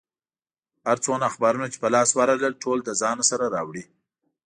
هر څومره اخبارونه چې په لاس ورغلل، ټول له ځان سره راوړي.